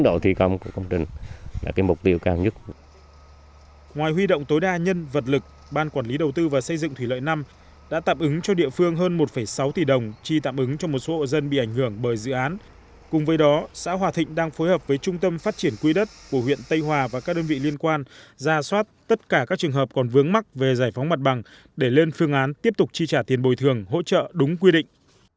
mũi thi công đang huy động tối đa các phương tiện máy móc thiết bị nhân công tập trung tâm phát triển quy đất của huyện tây hòa và các đơn vị liên quan ra soát tất cả các trường hợp còn vướng mắc về giải phóng mặt bằng để lên phương án tiếp tục chi trả tiền bồi thường hỗ trợ đúng quy định